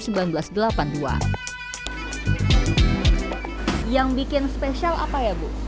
yang bikin spesial apa ya bu